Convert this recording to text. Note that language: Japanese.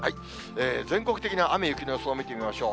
全国的な雨や雪の予想を見ていきましょう。